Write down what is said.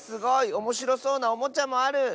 おもしろそうなおもちゃもある！